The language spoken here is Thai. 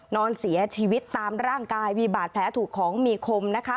นอนเสียชีวิตตามร่างกายมีบาดแผลถูกของมีคมนะคะ